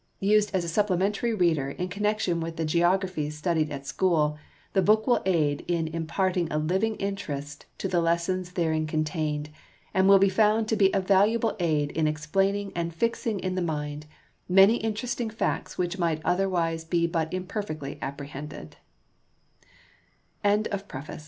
Used as a supplementary reader in connection with the geographies studied at school, the book will aid in imparting a living interest to the lessons therein contained, and will be found to be a valuable aid in explaining and fixing in the mind many interesting facts which might otherwise be but imperfectly app